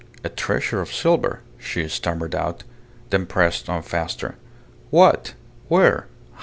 "A treasure of silver!" she stammered out. Then pressed on faster: "What? Where?